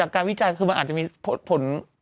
การวิจัยคือมันอาจจะมีผล